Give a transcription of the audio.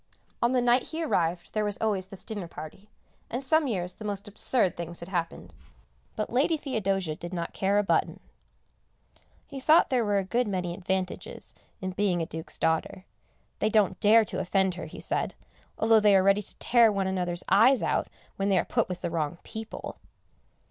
On the night he arrived there was always this dinner party, and some years the most absurd things had happened, but Lady Theodosia did not care a button. He thought there were a good many advantages in being a Duke's daughter; they don't dare to offend her, he said, although they are ready to tear one another's eyes out when they are put with the wrong people.